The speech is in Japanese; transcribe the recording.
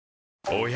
おや？